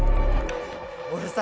俺さ